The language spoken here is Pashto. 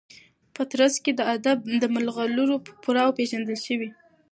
په ترڅ کي د ادب د مرغلرو پوره او پیژندل شوي